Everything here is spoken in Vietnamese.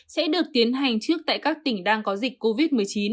sẽ được tiến hành trước tại các tỉnh đang có dịch covid một mươi chín